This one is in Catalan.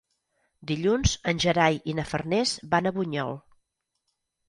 Dilluns en Gerai i na Farners van a Bunyol.